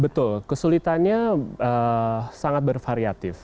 betul kesulitannya sangat bervariatif